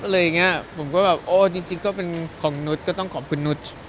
อะไรอย่างเงี้ยผมก็แบบโอ้จริงก็เป็นของนุษย์ก็ต้องขอบคุณนุษย์